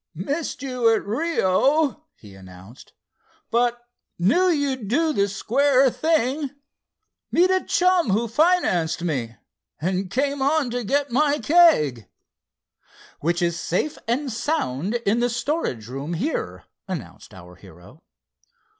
"Missed you at Rio," he announced; "but knew you'd do the square thing. Met a chum who financed me, and came on to get my keg." "Which is safe and sound in the storage room here," announced our hero.